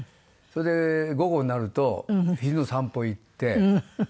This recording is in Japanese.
それで午後になると昼散歩行って。